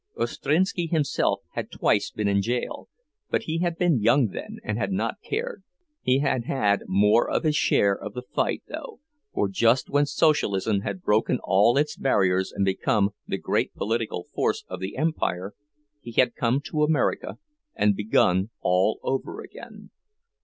Ostrinski himself had twice been in jail, but he had been young then, and had not cared. He had had more of his share of the fight, though, for just when Socialism had broken all its barriers and become the great political force of the empire, he had come to America, and begun all over again.